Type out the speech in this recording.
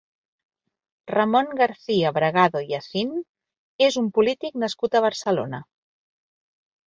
Ramon García-Bragado i Acín és un polític nascut a Barcelona.